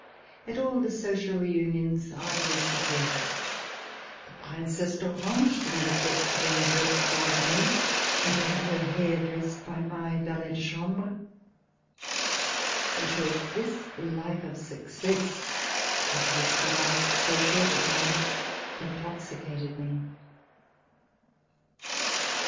At all the social reunions I was the first. The Princesse d'Orange did not object to being dressed like me and to have her hair dressed by my valet de chambre. In short, this life of success, which was to last so short a time, intoxicated me.